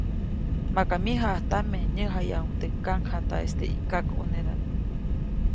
Maka myäjaʼajtame, näjayajuʼuŋ teʼ kaŋjataʼis teʼ kakʼuneʼdam.